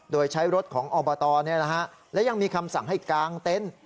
โดยใช้รถของอบตและยังมีคำสั่งให้กางเต็นต์